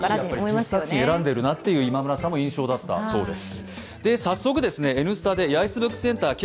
すごくいい１０作品選んでいるなという、今村さんも印象だったそうです。